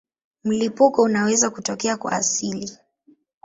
Mlipuko unaweza kutokea kwa asili.